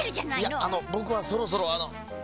いやあのぼくはそろそろあのああ。